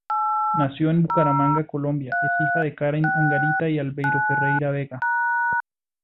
Nació en Bucaramanga, Colombia es hija de Karen Angarita y Albeiro Ferreira Vega.